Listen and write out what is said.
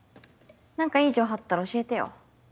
何かいい情報あったら教えてよ。